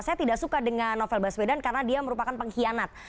saya tidak suka dengan novel baswedan karena dia merupakan pengkhianat